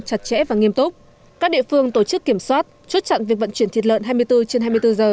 chặt chẽ và nghiêm túc các địa phương tổ chức kiểm soát chốt chặn việc vận chuyển thịt lợn hai mươi bốn trên hai mươi bốn giờ